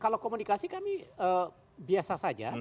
kalau komunikasi kami biasa saja